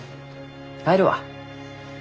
帰るわ。